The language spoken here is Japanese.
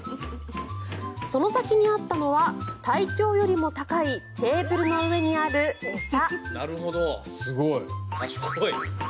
その先にあったのは体長よりも高いテーブルの上にある餌。